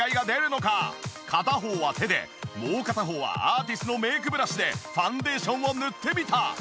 片方は手でもう片方はアーティスのメイクブラシでファンデーションを塗ってみた！